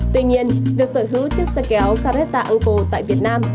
tuy nhiên việc sở hữu chiếc xe kéo caretta uncle tại việt nam